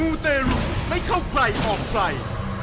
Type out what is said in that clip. ูเตรุไม่เข้าใครออกใคร